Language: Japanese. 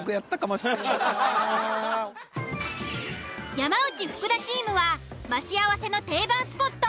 山内・福田チームは待ち合わせの定番スポット